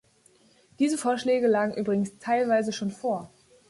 Diese Vorschläge lagen übrigens teilweise schon vor.